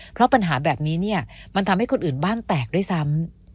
เพราะปัญหาแบบนี้เนี่ยมันทำให้คนอื่นบ้านแตกด้วยซ้ำ